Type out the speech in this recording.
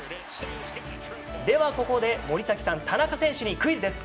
ではここで、森崎さんと田中選手にクイズです。